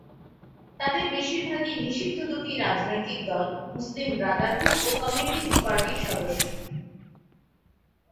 তাদের বেশিরভাগই নিষিদ্ধ দুটি রাজনৈতিক দল মুসলিম ব্রাদারহুড ও কমিউনিস্ট পার্টির সদস্য।